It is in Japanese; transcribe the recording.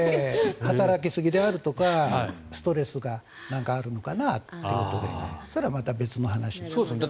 働きすぎであるとかストレスが何かあるのかなということでそれはまた別の話ですね。